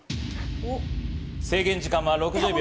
制限時間は６０秒。